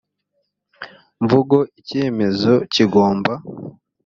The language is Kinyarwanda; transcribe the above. mvugo icyemezo kigomba